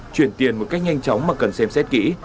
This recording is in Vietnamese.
chuyển tiền một cách nhanh chóng mà cần xem xét kỹ